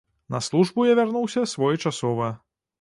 На службу я вярнуўся своечасова.